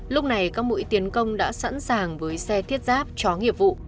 lúc này các mũi tiến công đã sẵn sàng với xe thiết giáp chó nghiệp vụ